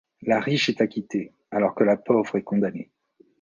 La riche est acquittée, alors que la pauvre est condamnée.